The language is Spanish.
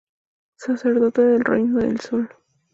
Sacerdote del Reino del Sol.